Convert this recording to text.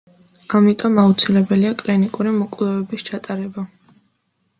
ამიტომ, აუცილებელია კლინიკური გამოკვლევების ჩატარება.